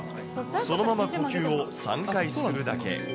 そのまま呼吸を３回するだけ。